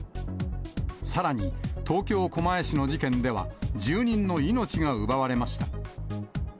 さらに、東京・狛江市の事件では、住人の命が奪われました。